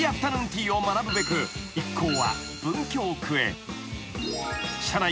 ティーを学ぶべく一行は文京区へ］